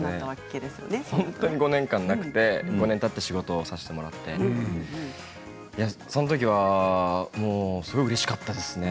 本当に５年間はなくて５年たって仕事をさせてもらってそのときはすごいうれしかったですね。